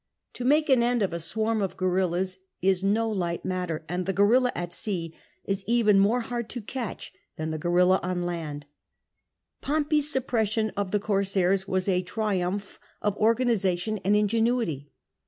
To make an end of a swarm of guerillas is no light matter, and the guerilla at sea is even more hard to catch than the guerilla on land. Pompey's suppression of the cor sairs was a triumph of organisation and ingenuity.